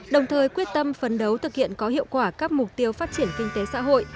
đồng thời quyết tâm phấn đấu thực hiện có hiệu quả các mục tiêu phát triển kinh tế xã hội